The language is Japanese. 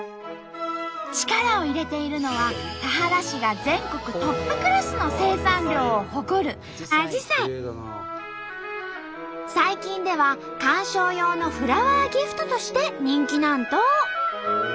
力を入れているのは田原市が全国トップクラスの生産量を誇る最近では観賞用のフラワーギフトとして人気なんと！